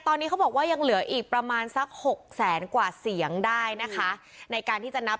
ตอนนี้เขาบอกว่ายังเหลืออีกประมาณสักหกแสนกว่าเสียงได้นะคะในการที่จะนับ